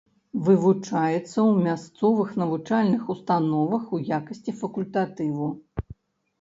Вывучаецца ў мясцовых навучальных установах у якасці факультатыву.